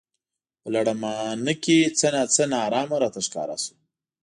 په لړمانه کې څه نا څه نا ارامه راته ښکاره شو.